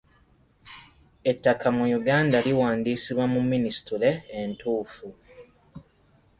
Ettaka mu Uganda liwandiisibwa mu minisitule entuufu.